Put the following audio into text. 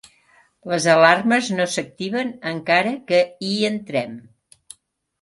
Les alarmes no s'activen encara que hi entrem.